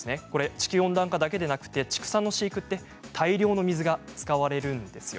地球温暖化だけでなく畜産の飼育には大量の水が使われるんですよ。